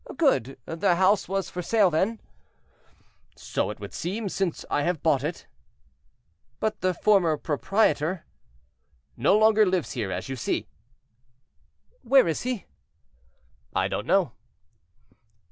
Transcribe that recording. "Good! the house was for sale then?" "So it would seem, since I have bought it." "But the former proprietor?" "No longer lives here, as you see." "Where is he?" "I don't know."